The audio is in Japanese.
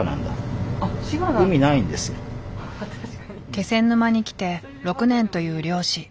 気仙沼に来て６年という漁師。